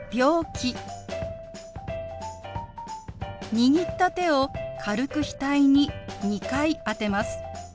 握った手を軽く額に２回当てます。